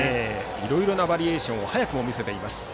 いろいろなバリエーション早くも見せています。